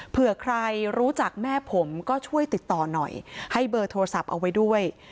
เผื่อใครรู้จักแม่ผมก็ช่วยติดต่อหน่อยให้เบอร์โทรศัพท์เอาไว้ด้วย